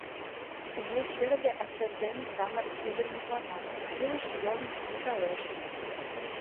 Тыге черле ачаж дене самырык ӱдыр мутлана, илыш йӧным кычалеш.